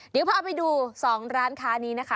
เดี๋ยวพาไปดู๒ร้านค้านี้นะคะ